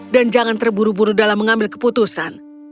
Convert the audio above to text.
dan jangan terburu buru dalam mengambil keputusan